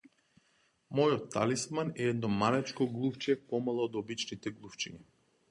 Мојот талисман е едно малечко глувче, помало од обичните глувчиња.